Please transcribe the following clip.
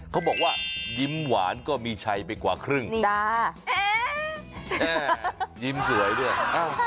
เขาบอกว่ายิ้มหวานก็มีชัยไปกว่าครึ่งนี่ดา